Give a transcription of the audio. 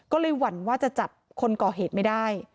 ก็เลยหวั่นว่าจะจับคนก่อเหตุไม่ได้